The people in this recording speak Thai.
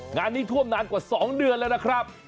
งานนี้ท่วมนานกว่า๒เดือนแล้วนะครับ